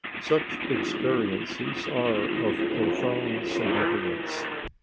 Such experiences are of profound significance.